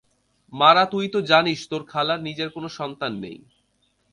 মারা তুই তো জানিস তোর খালার নিজের কোনো সন্তান নেই।